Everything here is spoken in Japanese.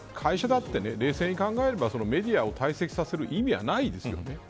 会社だって、冷静に考えればメディアを退席させる意味はないんですよ。